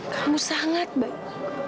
kamu sangat baik